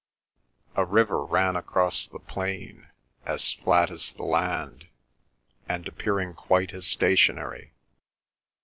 A river ran across the plain, as flat as the land, and appearing quite as stationary.